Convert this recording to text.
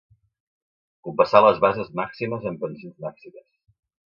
Compassar les bases màximes amb pensions màximes.